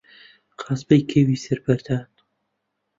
قاسپەی کەوی سەر بەردان